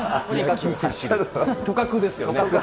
とかくですよね。